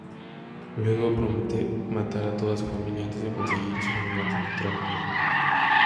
Luego promete matar a toda su familia antes de conseguir su venganza contra Aquaman.